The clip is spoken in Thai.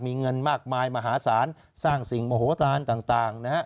มีเงินมากมายมหาศาลสร้างสิ่งโมโหตานต่างนะฮะ